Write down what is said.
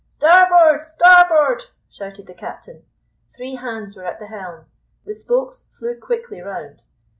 "Starboard, starboard!" shouted the captain. Three hands were at the helm. The spokes flew quickly round.